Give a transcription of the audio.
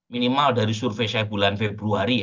minimal dari survei saya bulan februari